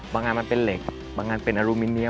บางอันมันเป็นเหล็กบางอันเป็นอลูมิเนีย